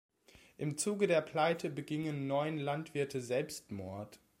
Im Zuge der Pleite begingen neun Landwirte Selbstmord.